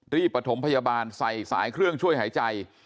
ประถมพยาบาลใส่สายเครื่องช่วยหายใจ